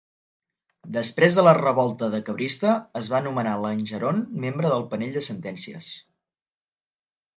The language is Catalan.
Després de la revolta Decabrista, es va nomenar Langeron membre del panell de sentències.